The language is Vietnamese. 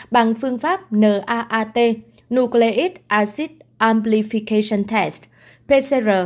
bằng phương pháp naat nuclear acid amplification test pcr